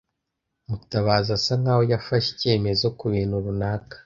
Mutabazi asa nkaho yafashe icyemezo kubintu runaka.